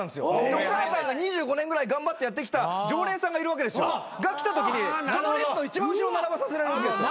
お母さんが２５年ぐらい頑張ってやってきた常連さんがいるわけですよ。が来たときにその列の一番後ろに並ばさせられるわけですよ。